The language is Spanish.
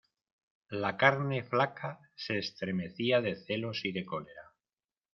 la carne flaca se estremecía de celos y de cólera.